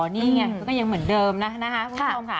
นี่ไงก็ยังเหมือนเดิมนะนะคะคุณผู้ชมค่ะ